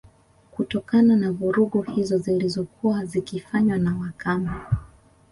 Kutokana na vurugu hizo zilizokuwa zikifanywa na Wakamba